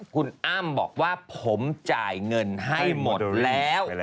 คุณอ้ำบอกว่าผมจ่ายเงินให้หมดแล้ว